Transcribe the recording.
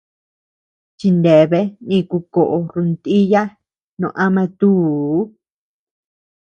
Chineabea niku koʼo rontiya no ama túu.